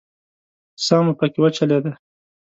ساه مو پکې وچلېده.